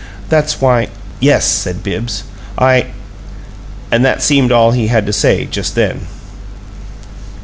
That's why " "Yes," said Bibbs, "I " And that seemed all he had to say just then.